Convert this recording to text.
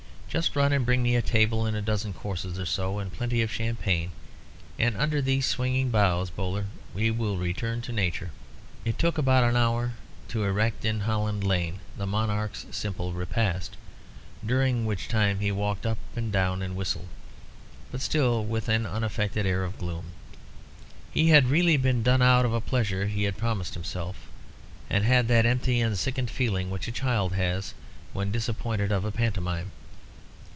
Just run and bring me a table and a dozen courses or so, and plenty of champagne, and under these swinging boughs, Bowler, we will return to Nature." It took about an hour to erect in Holland Lane the monarch's simple repast, during which time he walked up and down and whistled, but still with an unaffected air of gloom. He had really been done out of a pleasure he had promised himself, and had that empty and sickened feeling which a child has when disappointed of a pantomime.